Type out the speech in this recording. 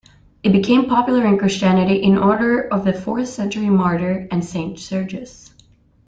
It became popular in Christianity in honor of the fourth-century martyr and saint Sergius.